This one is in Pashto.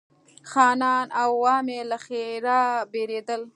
خانان او عوام یې له ښرا بېرېدل.